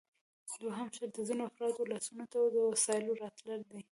دوهم شرط د ځینو افرادو لاسونو ته د وسایلو راتلل دي